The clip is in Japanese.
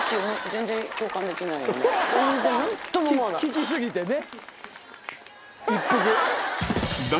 聴き過ぎてね。